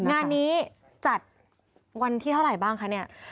งานนี้จัดวันที่เท่าไรบ้างคะ